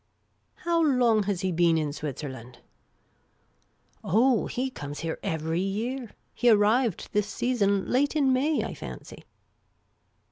" How long has he been in Switzerland ?"" Oh, he comes here every year. He arrived this season late in May, I fancy."